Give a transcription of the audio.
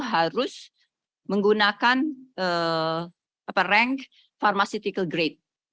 harus menggunakan rank pharmaceutical grade